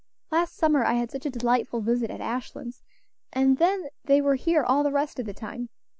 Last summer I had such a delightful visit at Ashlands; and then they were here all the rest of the time.